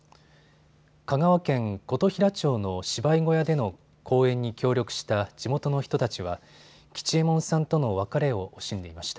香川県琴平町の芝居小屋での公演に協力した地元の人たちは吉右衛門さんとの別れを惜しんでいました。